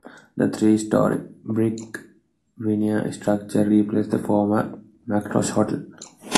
The three-story, brick-veneer structure replaced the former McIntosh Hotel.